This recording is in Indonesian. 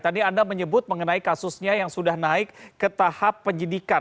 tadi anda menyebut mengenai kasusnya yang sudah naik ke tahap penyidikan